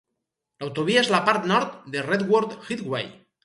L'autovia és la part nord de Redwood Highway.